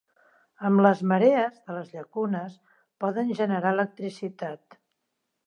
Amb les marees de les llacunes poden generar electricitat.